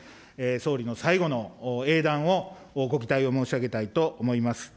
総理の最後の英断をご期待を申し上げたいと思います。